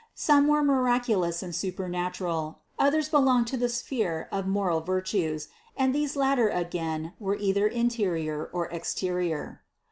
Some were miraculous and supernatural, others belonged to the sphere of the moral virtues, and these latter again were either interior or exterior.